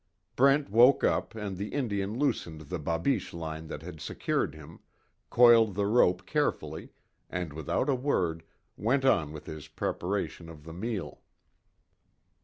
Brent woke up and the Indian loosened the babiche line that had secured him, coiled the rope carefully, and without a word, went on with his preparation of the meal.